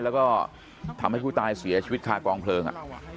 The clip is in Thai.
แล้วก็ทำให้ผู้ตายเสียชีวิตคากองเพลิง